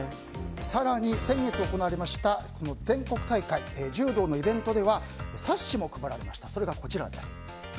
更に先月行われました全国大会、柔道のイベントでは冊子も配られました。